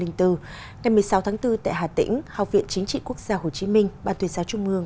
ngày một mươi sáu tháng bốn tại hà tĩnh học viện chính trị quốc gia hồ chí minh ban tuyên giáo trung mương